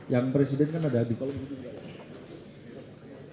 yang presiden kan ada di kolom